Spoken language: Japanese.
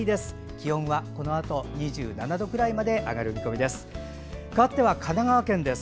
気温はこのあと２７度くらいまで上がる見込みです。